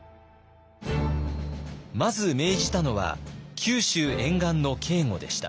まず命じたのは九州沿岸の警固でした。